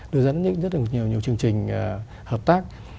đưa dẫn rất nhiều chương trình hợp tác